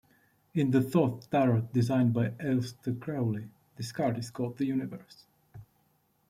In the Thoth Tarot designed by Aleister Crowley, this card is called The Universe.